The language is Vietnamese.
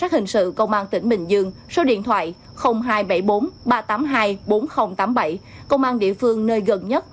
hình sự công an tỉnh bình dương số điện thoại hai trăm bảy mươi bốn ba trăm tám mươi hai bốn nghìn tám mươi bảy công an địa phương nơi gần nhất